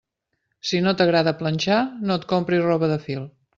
Si no t'agrada planxar, no et compris roba de fil.